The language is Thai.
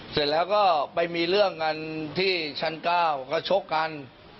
เสร็จแล้วก็ไปมีเรื่องกันที่ชั้น๙ก็ชกกัน